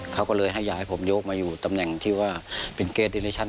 เขาก็เลยให้อยากให้ผมยกมาอยู่ตำแหน่งที่ว่าเป็นเกรดดิเลชั่น